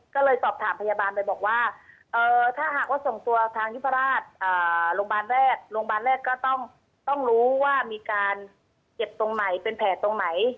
ก็เลยสอบถามพยาบาลไปบอกว่าถ้าหากว่าส่งตัวทางยุพราชโรงพยาบาลแรกโรงพยาบาลแรกก็ต้องรู้ว่ามีการเจ็บตรงไหนเป็นแผลตรงไหน